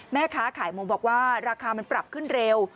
แม่ค้าขายหมูบอกว่าราคามันปรับขึ้นเร็ว